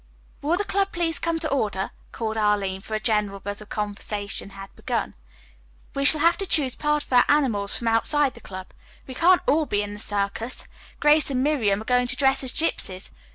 "Will the club please come to order," called Arline, for a general buzz of conversation had begun. "We shall have to choose part of our animals from outside the club. We can't all be in the circus. Grace and Miriam are going to dress as gypsies.